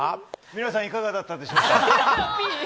皆さんいかがだったでしょうか。